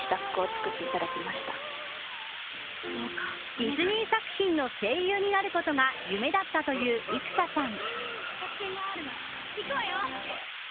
ディズニー作品の声優になることが夢だったという生田さん。